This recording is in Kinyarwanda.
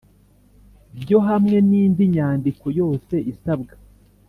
Byo hamwe n indi nyandiko yose isabwa